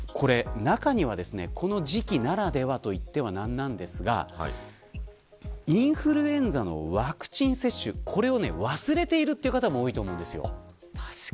中には、この時期ならではと言ってはなんですがインフルエンザのワクチン接種これを忘れているという方も多いと思うんです。